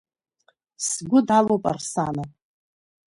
Сгәы далоуп Арсана.